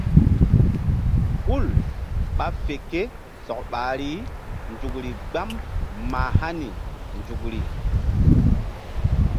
Hul ɓa fe ké sɔk ɓahri nzukri gbam mah hani nzukri.